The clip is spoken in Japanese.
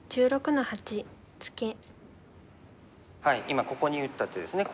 今ここに打った手ですね。